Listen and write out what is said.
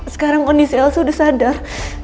sekarang kondisi elsa udah sadar